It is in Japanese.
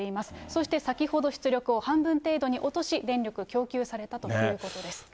そして先ほど、出力を半分程度に落とし、電力が供給されたということです。